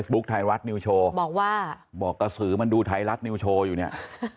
บอกว่าสื่อมันดูไทรรัฐนิวโชว์อยู่เนี่ย